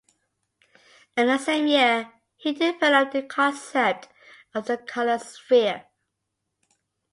In the same year he developed the concept of the color sphere.